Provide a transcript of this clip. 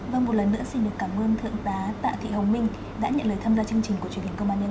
vâng một lần nữa xin được cảm ơn thượng tá tạ thị hồng minh đã nhận lời tham gia chương trình của truyền hình công an nhân dân